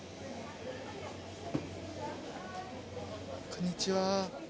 こんにちは。